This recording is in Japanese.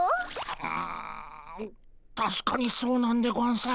うんたしかにそうなんでゴンス。